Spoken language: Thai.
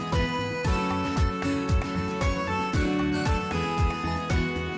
โปรดติดตาม